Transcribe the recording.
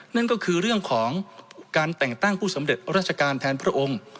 นั่นก็คือเรื่องของการแต่งตั้งผู้สำเร็จราชการแทนพระองค์